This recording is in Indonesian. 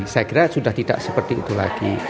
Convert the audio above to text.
saya kira sudah tidak seperti itu lagi